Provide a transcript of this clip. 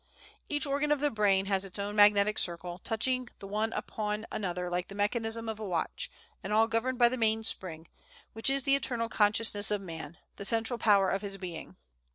Each organ of the brain has its own magnetic circle, touching the one upon another like the mechanism of a watch, and all governed by the main spring, which is the internal consciousness of man, the central power of his being.